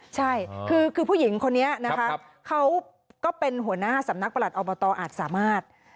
ใช่คือผู้หญิงคนนี้นะคะเขาก็เป็นหัวหน้าสำนักประหลัดอบตอาจสามารถ